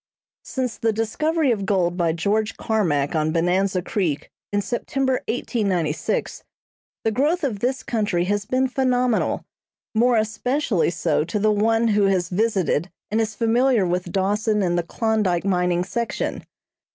Since the discovery of gold by George Carmack on Bonanza Creek in September, 1896, the growth of this country has been phenomenal, more especially so to the one who has visited and is familiar with Dawson and the Klondyke mining section.